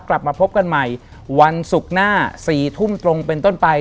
กลับมาพบกันใหม่วันศุกร์หน้า๔ทุ่มตรงเป็นต้นไป